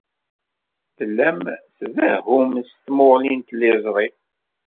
Tellam tdehhum s tmuɣli n tliẓri.